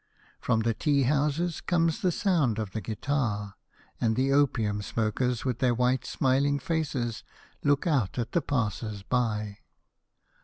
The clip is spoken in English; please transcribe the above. From the tea houses comes the sound of the guitar, and the opium smokers with their white smiling faces look out at the passers by.